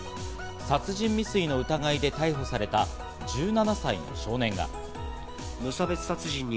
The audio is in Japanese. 殺人未遂の疑いで逮捕された１７歳の少年が。